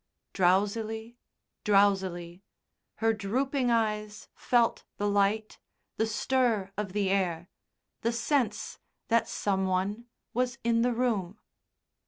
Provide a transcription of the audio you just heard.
Drowsily, drowsily, her drooping eyes felt the light, the stir of the air, the sense that some one was in the room.